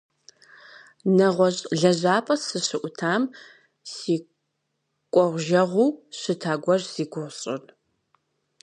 Нэгъуэщӏ лэжьапӏэ сыщыӏутам си кӏуэгъужэгъуу щыта гуэрщ зи гугъу сщӏыр.